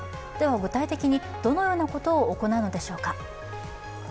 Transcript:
具体的に、どのようなことを行うのでしょうか。